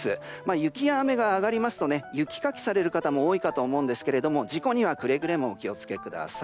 雪や雨があがりますと雪かきされる方も多いかと思うんですが事故にはくれぐれもお気を付けください。